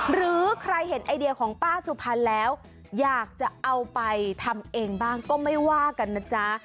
หรือใครเห็นไอเดียของป้าสุพรรณแล้วอยากจะเอาไปทำเองบ้างก็ไม่ว่ากันนะจ๊ะ